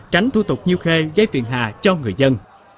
tránh thu tục nhiêu khê gây phiền hạ cho người dân